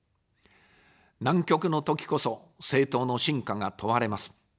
難局の時こそ、政党の真価が問われます。